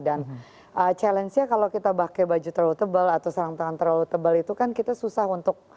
dan challenge nya kalau kita pakai baju terlalu tebal atau sarang tangan terlalu tebal itu kan kita susah untuk